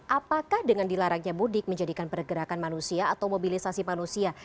apakah dengan dilarangnya mudik menjadikan pergerakan manusia atau mobilisasi manusia